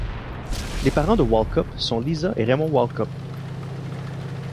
Les parents de Walkup sont Lisa et Raymond Walkup.